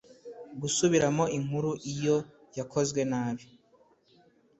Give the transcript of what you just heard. gusubiramo inkuru iyo yakozwe nabi